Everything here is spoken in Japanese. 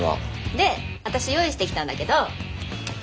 で私用意してきたんだけど。